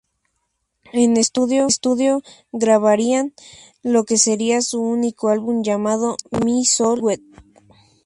En estudio grabarían lo que sería su único álbum, llamado My Soul is wet.